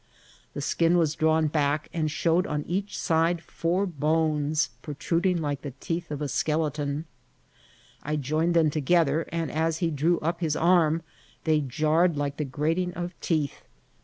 The skin was drawn back, and riiowed on each side four bones protruding like the teeth of a skel* eton. I joined them together, and as he drew up his arm they jarred like the grating of teeth.